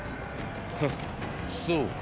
フッそうか。